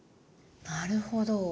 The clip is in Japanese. なるほど。